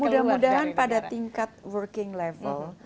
mudah mudahan pada tingkat working level